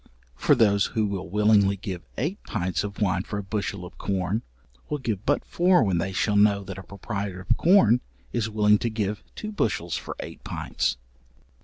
For those who will willingly give eight pints of wine for a bushel of corn, will give but four when they shall know that a proprietor of corn is willing to give two bushels for eight pints.